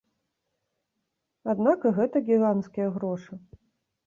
Аднак і гэта гіганцкія грошы.